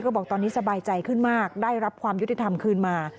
ก็บอกตอนนี้สบายใจขึ้นมากได้รับความยุติธรรมคืนมา